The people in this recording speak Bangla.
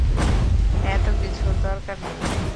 এত কিছুর দরকার নেই।